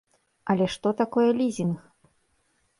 Але што такое лізінг?